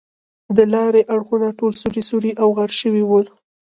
د لارې اړخونه ټول سوري سوري او غار شوي ول.